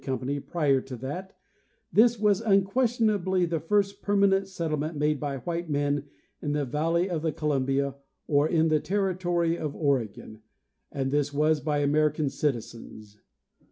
Mitchell—Oregon company prior to that, this was unquestionably the first perma nent settlement made by white men in the valley of the Colum bia or in the territory of Oregon, and this was by American citizens.